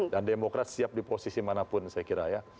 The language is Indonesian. dan demokrat siap di posisi manapun saya kira ya